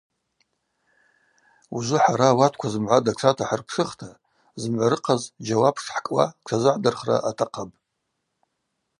Ужвы хӏара ауатква зымгӏва датшата хӏырпшыхта зымгӏва рыхъаз джьауап шхӏкӏуа тшазыгӏдырхра атахъыпӏ.